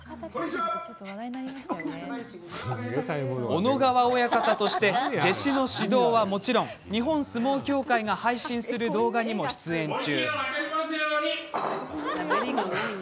小野川親方として弟子の指導はもちろん相撲協会が配信する動画にも出演中。